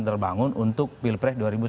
terbangun untuk pilpres dua ribu sembilan belas